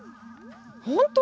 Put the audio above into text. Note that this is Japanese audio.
本当？